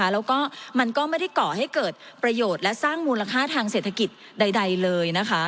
แล้วก็มันก็ไม่ได้ก่อให้เกิดประโยชน์และสร้างมูลค่าทางเศรษฐกิจใดเลยนะคะ